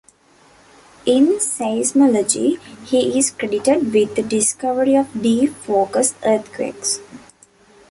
In seismology, he is credited with the discovery of deep focus earthquakes.